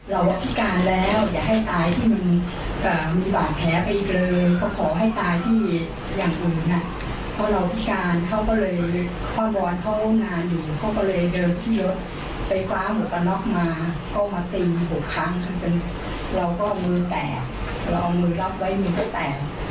แล้วก็เอาเลือดใต้ที่หน้าเขาก็แกล้งตายแกล้งทำเป็นตาย